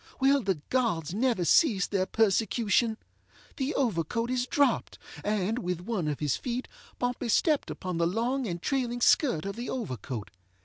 Will the gods never cease their persecution? The overcoat is dropped, and, with one of his feet, Pompey stepped upon the long and trailing skirt of the overcoat.